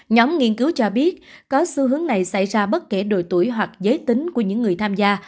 nhóm nghiên cứu cho biết có xu hướng này xảy ra bất kể độ tuổi hoặc giới tính của những người tham gia